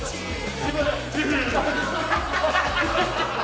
すいません。